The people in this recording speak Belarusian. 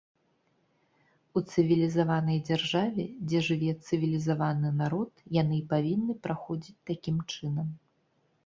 У цывілізаванай дзяржаве, дзе жыве цывілізаваны народ, яны і павінны праходзіць такім чынам.